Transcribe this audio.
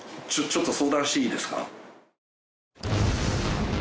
ちょっと相談していいですか？